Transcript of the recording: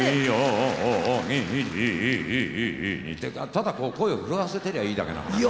ただ声を震わせてりゃいいだけなんですね。